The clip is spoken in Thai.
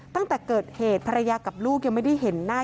ตั้งแต่เกิดเหตุภรรยากับลูกยังไม่ได้เห็นหน้า